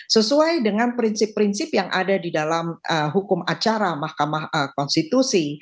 sesuai dengan prinsip prinsip yang ada di dalam hukum acara mahkamah konstitusi